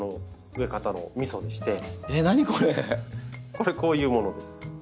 これこういうものです。